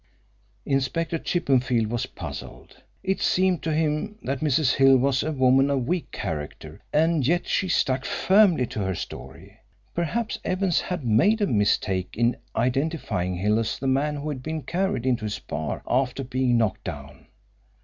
Inspector Chippenfield was puzzled. It seemed to him that Mrs. Hill was a woman of weak character, and yet she stuck firmly to her story. Perhaps Evans had made a mistake in identifying Hill as the man who had been carried into his bar after being knocked down.